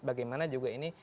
bagaimana juga ini